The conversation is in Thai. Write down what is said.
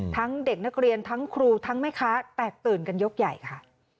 เด็กนักเรียนทั้งครูทั้งแม่ค้าแตกตื่นกันยกใหญ่ค่ะ